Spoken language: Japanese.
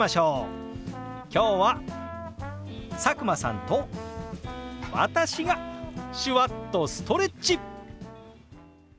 今日は佐久間さんと私が手話っとストレッチ！